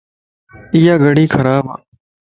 ايا گڙي خرابَ